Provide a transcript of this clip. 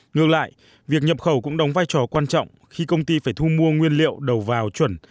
ngược lại việc nhập khẩu cũng đóng vai trò quan trọng khi công ty phải thu mua nguyên liệu đầu vào chuẩn